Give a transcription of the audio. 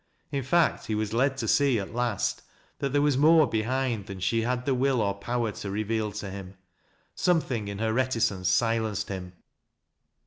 In fact, he was lee to see at last, that there was more behind than she had the will or power to reveal to him ; something in her reti cence silenced him.